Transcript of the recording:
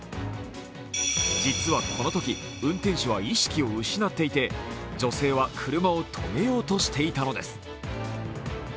実はこのとき、運転手は意識を失っていて、女性は車を止めようとしていたのです。